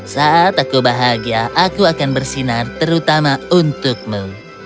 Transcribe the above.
saat aku bahagia aku akan bersinar terutama untukmu